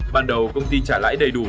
ban đầu công ty trả lãi đầy đủ